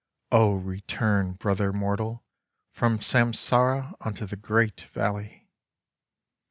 O return, brother mortal, from Samsara unto the great Valley